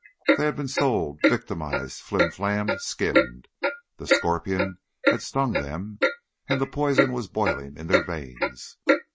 They had been sold, victimized, flimflammed, skinned; the scorpion had stung them and the poison was boiling in their veins.